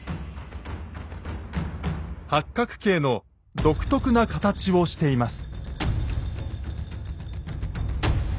八角形の独特な形をしています。